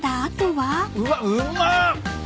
うわうまっ！